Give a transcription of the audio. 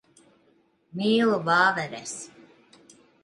Mīlu vāveres.